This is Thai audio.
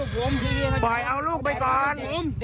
พี่ปล่อยเด็กก่อน